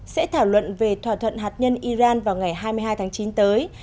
sẽ thảo luận về thỏa thuận hạt nhân iran vào ngày hai mươi hai tháng chín tới